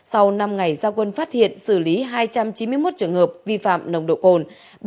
sau năm ngày gia quân phát hiện xử lý hai trăm chín mươi một trường hợp vi phạm nồng độ cồn